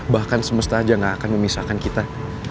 bahkan semesta aja gak akan memisahkan kita